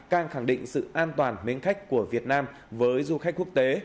càng khẳng định sự an toàn mến khách của việt nam với du khách quốc tế